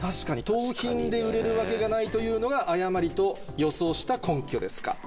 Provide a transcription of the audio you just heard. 「盗品で売れるわけがない」というのが誤りと予想した根拠ですか。